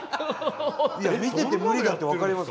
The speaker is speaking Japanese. いや見てて無理だって分かります。